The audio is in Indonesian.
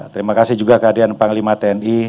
terima kasih juga kehadiran panglima tni